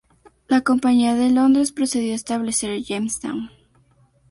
La Compañía de Londres procedió a establecer Jamestown.